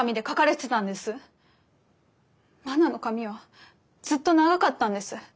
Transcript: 真菜の髪はずっと長かったんです。